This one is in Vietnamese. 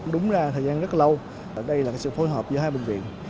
đúng ra thời gian rất lâu đây là sự phối hợp giữa hai bệnh viện